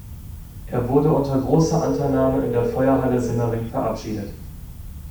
Er wurde unter großer Anteilnahme in der Feuerhalle Simmering verabschiedet.